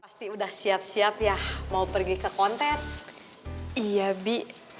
pasti udah siap siap ya mau pergi ke kontes iya bi